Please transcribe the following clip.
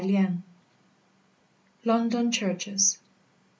WATSON. LONDON CHURCHES.